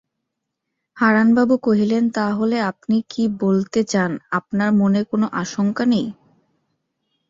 হারানবাবু কহিলেন, তা হলে আপনি কি বলতে চান আপনার মনে কোনো আশঙ্কা নেই?